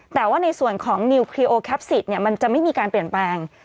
แต่ว่าในส่วนของนิวครีโอแคปซิตมันจะไม่มีการเปลี่ยนแปลง